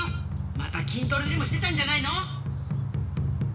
またきんトレでもしてたんじゃないの？